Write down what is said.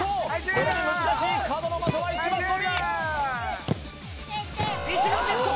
これで難しい角の的は１番のみ１番ゲット！